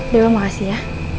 daya makasih ya